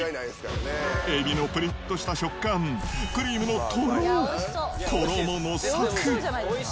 エビのぷりっとした食感、クリームのとろっ、衣のさくっ。